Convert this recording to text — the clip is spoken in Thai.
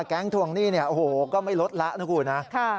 แก๊งทวงนี่ก็ไม่ลดละนะคุณ